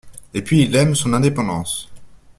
Et puis il aime son indépendance.